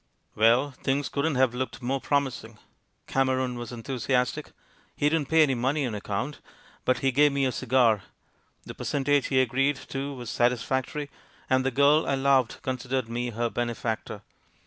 "Well, things couldn't have looked more prom ising. Cameron was enthusiastic — ^he didn't pay any money on account, but he gave me a cigar — the percentage he agreed to was satisfactory, and the girl I loved considered me her benefactor.